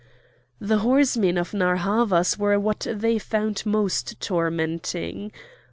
The horsemen of Narr' Havas were what they found most tormenting.